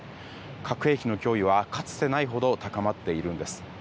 核兵器の脅威は、かつてないほど高まっているんです。